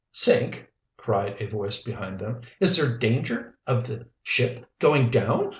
"Sink!" cried a voice behind them. "Is there danger of the ship going down?